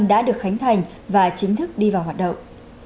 đã được khánh thành và chính thức đi vào hoạt động